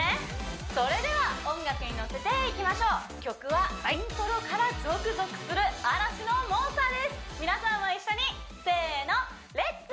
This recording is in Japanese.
それでは音楽にのせていきましょう曲はイントロからゾクゾクする皆さんも一緒にせの「レッツ！